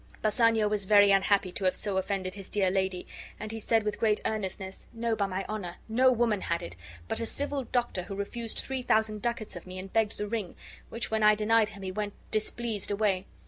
Bassanio was very unhappy to have so offended his dear lady, and he said with great earnestness: "No, by my honor, no woman had it, but a civil doctor who refused three thousand ducats of me and begged the ring, which when I denied him he went displeased away.